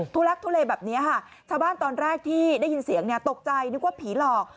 ลักทุเลแบบนี้ค่ะชาวบ้านตอนแรกที่ได้ยินเสียงตกใจนึกว่าผีหลอก